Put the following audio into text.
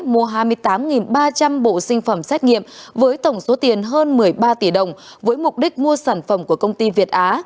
mua hai mươi tám ba trăm linh bộ sinh phẩm xét nghiệm với tổng số tiền hơn một mươi ba tỷ đồng với mục đích mua sản phẩm của công ty việt á